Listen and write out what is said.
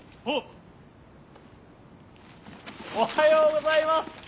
おはようございます！